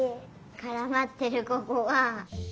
からまってるここが。